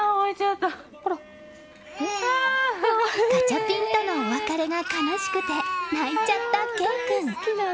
ガチャピンとのお別れが悲しくて泣いちゃった慧君。